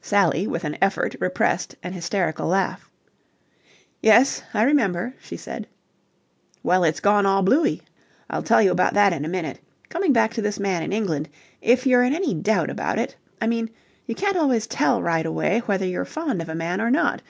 Sally with an effort repressed an hysterical laugh. "Yes, I remember," she said. "Well, it's all gone bloo ey. I'll tell you about that in a minute. Coming back to this man in England, if you're in any doubt about it... I mean, you can't always tell right away whether you're fond of a man or not...